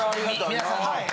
皆さんの。